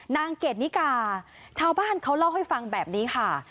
เกรดนิกาชาวบ้านเขาเล่าให้ฟังแบบนี้ค่ะ